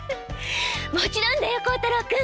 もちろんだよ孝太郎君！